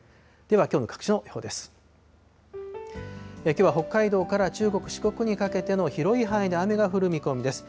きょうは北海道から中国、四国にかけての広い範囲で雨が降る見込みです。